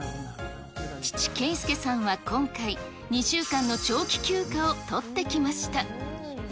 父、けいすけさんは今回、２週間の長期休暇を取ってきました。